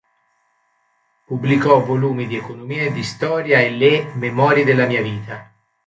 Pubblicò volumi di economia e di storia e le "Memorie della mia vita".